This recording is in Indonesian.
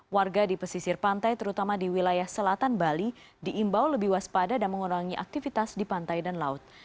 warga di pesisir pantai terutama di wilayah selatan bali diimbau lebih waspada dan mengurangi aktivitas di pantai dan laut